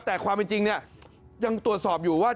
แต่ความจริงยังตรวจสอบอยู่ว่า